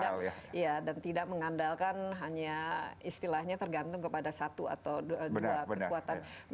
iya dan tidak mengandalkan hanya istilahnya tergantung kepada satu atau dua kekuatan